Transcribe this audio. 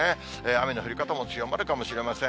雨の降り方も強まるかもしれません。